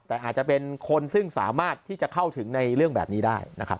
แต่อาจจะเป็นคนซึ่งสามารถที่จะเข้าถึงในเรื่องแบบนี้ได้นะครับ